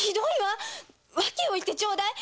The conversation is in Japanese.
訳を言ってちょうだい！